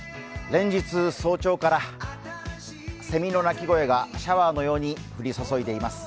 連日、早朝からセミの鳴き声がシャワーのように降り注いでいます。